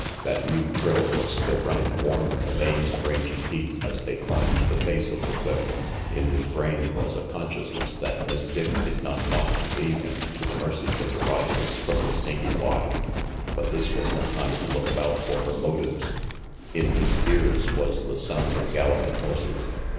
That new thrill was still running warm in the veins of Rangy Pete as they climbed the face of the cliff. In his brain was a consciousness that Miss Dick did not want to leave him to the mercies of the riders from the Snaky Y; but this was no time to look about RANGY PETE 363 for her motives. In his ears was the sound of gallop ing horses.